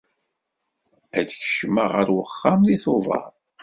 Ad d-kecmeɣ ɣer uxxam deg Tubeṛ.